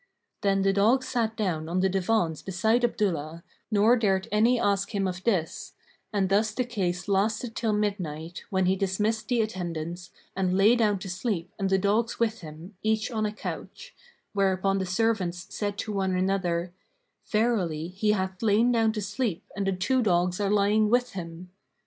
Then the dogs sat down on the divans beside Abdullah, nor dared any ask him of this; and thus the case lasted till midnight, when he dismissed the attendants and lay down to sleep and the dogs with him, each on a couch; whereupon the servants said one to other, "Verily, he hath lain down to sleep and the two dogs are lying with him."